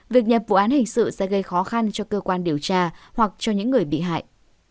việc nhập vụ án hình sự sẽ gây khó khăn cho cơ quan điều tra hoặc cho những người bị hại